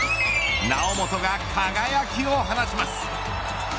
猶本が輝きを放ちます。